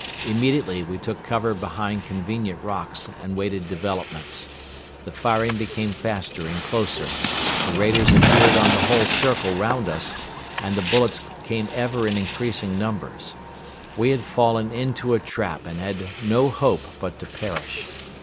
Immediately we took cover behind convenient rocks and waited developments. The firing became faster and closer, the raiders appeared on the whole circle round us and the bullets came ever in increasing numbers. We had fallen into a trap and had no hope but to perish.